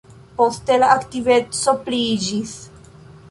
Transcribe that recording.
Poste la aktiveco pliiĝis.